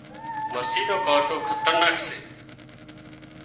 مسِي نو ڪانٽو خطرناڪ سي